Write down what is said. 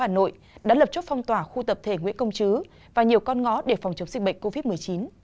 hà nội đã lập chốt phong tỏa khu tập thể nguyễn công chứ và nhiều con ngõ để phòng chống dịch bệnh covid một mươi chín